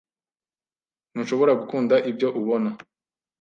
Ntushobora gukunda ibyo ubona.